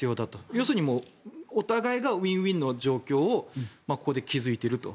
要するにお互いがウィンウィンの状況をここで築いていると。